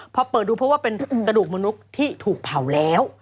พอเปิดดูเพราะว่าเป็นกระดูกมนุษย์ที่ถูกเผาแล้ว